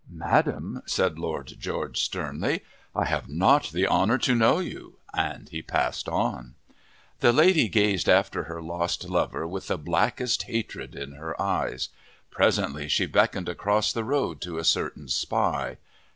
"Madam," said Lord George, sternly, "I have not the honour to know you." And he passed on. The lady gazed after her lost lover with the blackest hatred in her eyes. Presently she beckoned across the road to a certain spy.